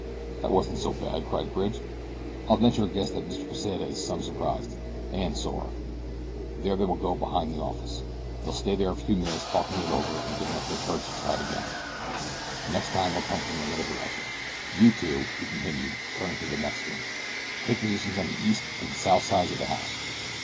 "That wasn't so bad," cried Bridge. "I'll venture a guess that Mr. Pesita is some surprised and sore. There they go behind the office. They'll stay there a few minutes talking it over and getting up their courage to try it again. Next time they'll come from another direction. You two," he continued, turning to the Mexicans, "take positions on the east and south sides of the house.